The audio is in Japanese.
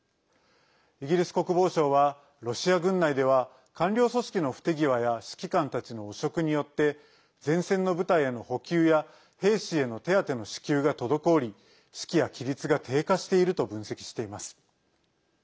イギリス国防省はロシア軍内では官僚組織の不手際や指揮官たちの汚職によって前線の部隊への補給や兵士への手当ての支給が滞り士気や規律が低下していると分析しています。